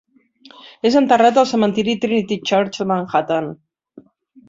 És enterrat al cementiri Trinity Church de Manhattan.